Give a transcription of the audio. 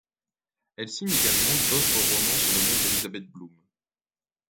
Elle signe également d'autres romans sous le nom d'Elizabeth Bloom.